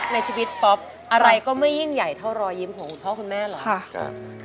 ในชีวิตป๊อปอะไรก็ไม่ยิ่งใหญ่เท่ารอยยิ้มของคุณพ่อคุณแม่เหรอ